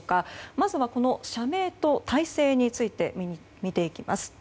まずは社名と体制について見ていきます。